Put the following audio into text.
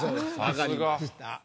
分かりました。